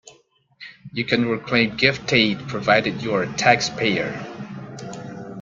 You can reclaim gift aid provided you are a taxpayer.